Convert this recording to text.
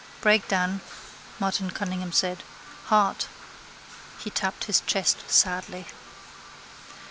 —Breakdown, Martin Cunningham said. Heart. He tapped his chest sadly.